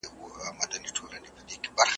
په هوا کي د مرغانو پروازونه `